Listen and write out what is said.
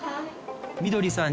みどりさん